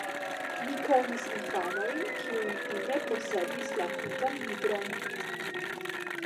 Mi konis infanojn kiuj fine posedis la tutan libron.